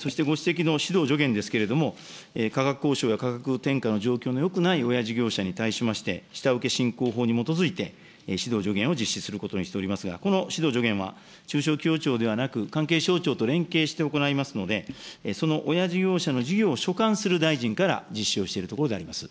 そしてご指摘の指導、助言ですけれども、価格交渉や価格転嫁の状況のよくない親事業者に対しまして、下請けしんこう法に基づいて、指導、助言を実施することにいたしておりますが、この指導、助言は中小企業庁ではなく、関係省庁と連携して行いますので、その親事業者の事業を所管する大臣から実施をしているところでございます。